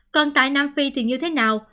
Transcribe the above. còn tại nam phi thì như thế nào